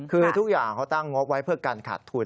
คือทุกอย่างเขาตั้งงบไว้เพื่อการขาดทุน